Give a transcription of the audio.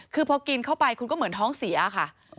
คือพอกินเข้าไปคุณก็เหมือนท้องเสียค่ะ